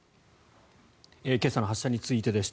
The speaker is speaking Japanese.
今朝の発射についてでした。